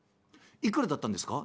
いくらだったんですか？」。